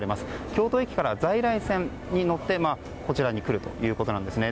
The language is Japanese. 京都駅から在来線に乗ってこちらに来るということですね。